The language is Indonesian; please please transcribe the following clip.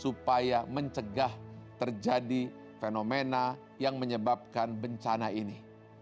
supaya mencegah terjadi fenomena yang menyebabkan bencana ini